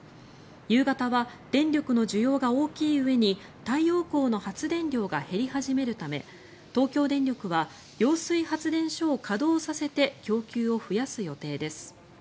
夕方は電力の需要が大きいうえに太陽光の発電量が減り始めるため東京電力は揚水発電所を稼働させて供給を増やす予定です。